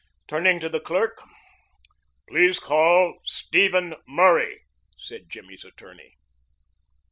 Turning to the clerk, "Please call Stephen Murray," said Jimmy's attorney.